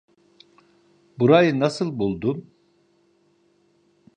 Burayı nasıl buldun?